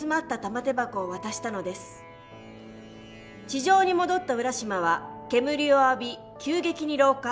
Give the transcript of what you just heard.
地上に戻った浦島は煙を浴び急激に老化。